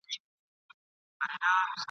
ماشومانو چي تلکه ایښودله ..